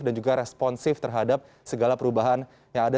dan juga responsif terhadap segala perubahan yang ada